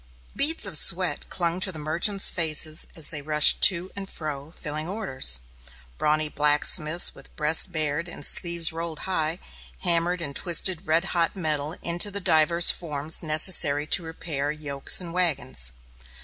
Beads of sweat clung to the merchants' faces as they rushed to and fro, filling orders. Brawny blacksmiths, with breasts bared and sleeves rolled high, hammered and twisted red hot metal into the divers forms necessary to repair yokes and wagons.